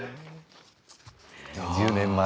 １０年前。